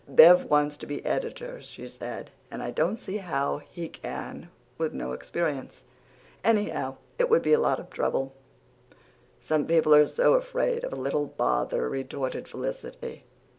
"Bev wants to be editor," she said, "and I don't see how he can, with no experience. Anyhow, it would be a lot of trouble." "Some people are so afraid of a little bother," retorted Felicity.